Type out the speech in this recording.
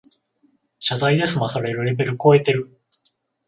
謝罪で済まされるレベルこえてる